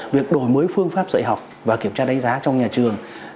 việc đổi mới phương pháp dạy học và kiểm tra đánh giá trong nhà trường